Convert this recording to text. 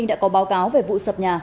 đã có báo cáo về vụ sập nhà